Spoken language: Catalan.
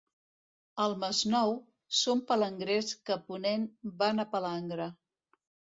Al Masnou, són palangrers que a ponent van a palangre.